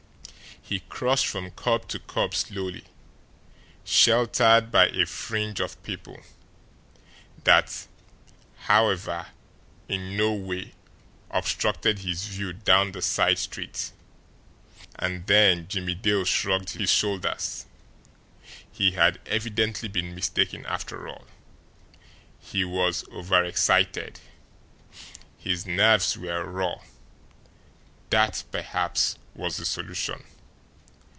He crossed from curb to curb slowly, sheltered by a fringe of people that, however, in no way obstructed his view down the side street. And then Jimmie Dale shrugged his shoulders. He had evidently been mistaken, after all. He was overexcited; his nerves were raw that, perhaps, was the solution.